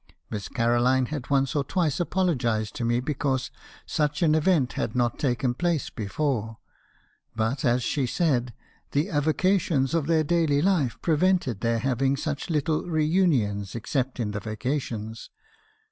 Miss Caroline had once or twice apologised to me because such an event had not taken place before; but, as she said, 'the avocations of their daily life prevented their having such little reunions except in the vacations.'